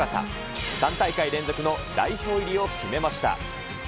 ３大会連続の代表入りを決めました。